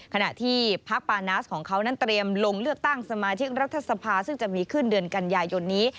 ขณะที่พักปานาสของเขานั้นเตรียมลงเลือกตั้งสมาชิกรัฐสภาซึ่งจะมีขึ้นเดือนกันยายนนี้